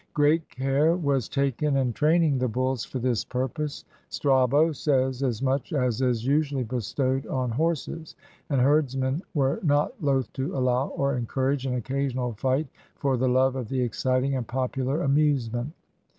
Great care was taken in training the bulls for this purpose; Strabo says as much as is usually bestowed on horses; and herdsmen were not loath to allow, or encourage, an occasional fight for the love of the exciting and popular amusement.